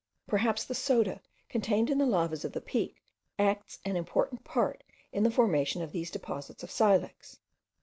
Perhaps the soda contained in the lavas of the peak acts an important part in the formation of these deposits of silex.